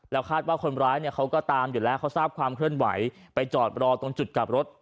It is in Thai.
คาดว่าคนร้ายเนี่ยเขาก็ตามอยู่แล้วเขาทราบความเคลื่อนไหวไปจอดรอตรงจุดกลับรถ